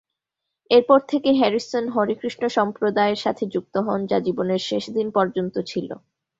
এরপর থেকে হ্যারিসন হরেকৃষ্ণ সম্প্রদায়ের সাথে যুক্ত হন যা জীবনের শেষ দিন পর্যন্ত ছিল।